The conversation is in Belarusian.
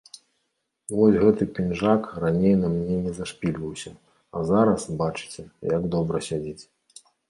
Вось гэты пінжак раней на мне на зашпільваўся, а зараз, бачыце, як добра сядзіць.